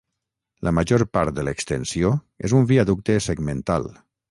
La major part de l'extensió és un viaducte segmental.